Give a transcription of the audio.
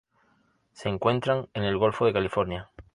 Se encuentran en el Golfo de California.